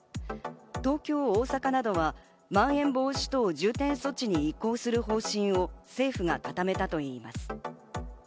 東京、大阪などはまん延防止等重点措置に移行する方針を政府が固めたといいます。